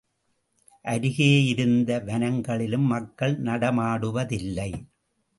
அருகேயிருந்த வனங்களிலும் மக்கள் நடமாடுவதில்லை.